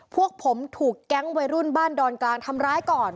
พวกผมถูกแก๊งวัยรุ่นบ้านดอนกลางทำร้ายก่อน